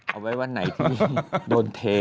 เอาไว้วันไหนที่โดนเท